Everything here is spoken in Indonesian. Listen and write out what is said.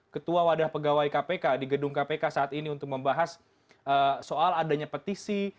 ketua wadah pegawai kpk di gedung kpk saat ini untuk membahas soal adanya petisi